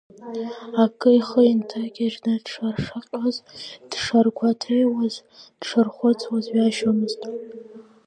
Акы ихы инҭагьежьны дшаршаҟьоз, дшаргәаҭеиуаз, дшархәыцуаз ҩашьомызт.